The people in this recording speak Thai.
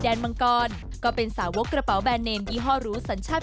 มังกรก็เป็นสาวกกระเป๋าแบรนเนมยี่ห้อรู้สัญชาติ